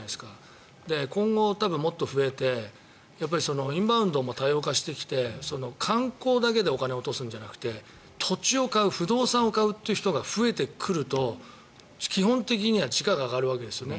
今後、もっと増えてインバウンドも多様化してきて観光だけでお金を落とすんじゃなくて土地、不動産を買うという人が増えてくると、基本的には地価が上がるわけですね。